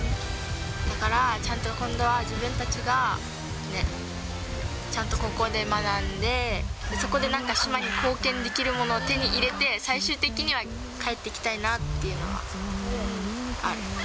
だから、ちゃんと今度は自分たちがね、ちゃんと高校で学んで、そこでなんか島に貢献できるものを手に入れて、最終的には帰ってきたいなっていうのはある。